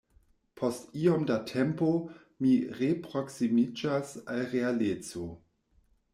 Post iom da tempo, mi reproksimiĝas al realeco.